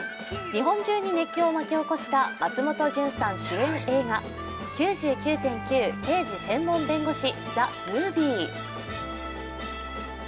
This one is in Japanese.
日本中に熱狂を巻き起こした松本潤さん主演映画「９９．９−刑事専門弁護士−ＴＨＥＭＯＶＩＥ」